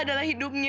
lo adalah hidupnya